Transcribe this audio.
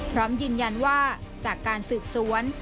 พร้อมยืนยันว่าจากการสืบสวน